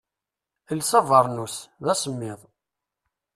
Els abernus, d asemmiḍ.